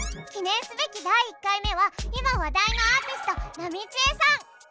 記念すべき第１回目は今話題のアーティストなみちえさん。